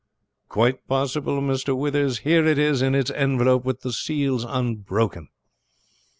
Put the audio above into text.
"Quite possible, Mr. Withers. Here it is in its envelope, with the seals unbroken."